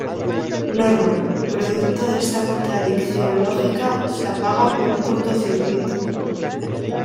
Norman, producto de esta contradicción lógica, se apaga por un cortocircuito.